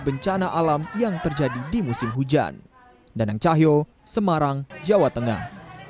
bencana alam yang terjadi di musim hujan danang cahyo semarang jawa tengah